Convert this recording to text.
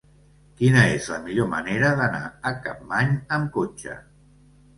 Quina és la millor manera d'anar a Capmany amb cotxe?